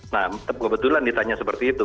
nah kebetulan ditanya seperti itu